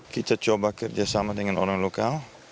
kita coba kerjasama dengan orang lokal